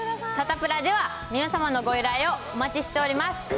サタプラでは、皆様のご依頼をお待ちしております。